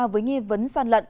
với nghi vấn gian lận